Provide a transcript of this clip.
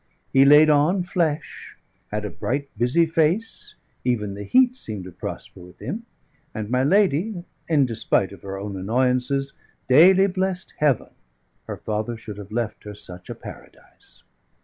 He laid on flesh; had a bright, busy face; even the heat seemed to prosper with him; and my lady in despite of her own annoyances daily blessed Heaven her father should have left her such a paradise.